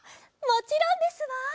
もちろんですわ！